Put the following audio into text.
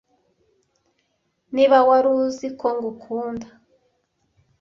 niba wari uzi ko ngukunda